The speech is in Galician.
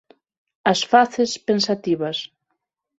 As faces pensativas.